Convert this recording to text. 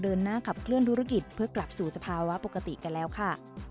เดินหน้าขับเคลื่อนธุรกิจเพื่อกลับสู่สภาวะปกติกันแล้วค่ะ